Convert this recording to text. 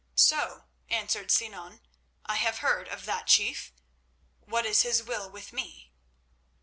"So," answered Sinan, "I have heard of that chief. What is his will with me?"